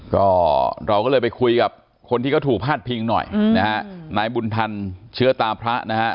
ก็เราก็เลยไปคุยกับคนที่เขาถูกพาดพิงหน่อยนะฮะนายบุญทันเชื้อตาพระนะฮะ